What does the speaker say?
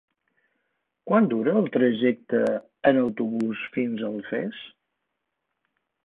Quant dura el trajecte en autobús fins a Alfés?